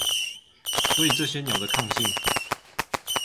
所以這些鳥的抗性